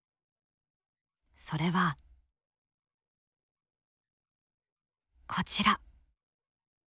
それはこちら。